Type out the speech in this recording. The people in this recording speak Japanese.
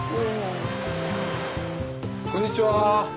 こんにちは。